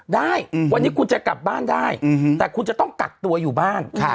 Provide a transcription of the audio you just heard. ได้วันนี้คุณจะกลับบ้านได้แต่คุณจะต้องกักตัวอยู่บ้าน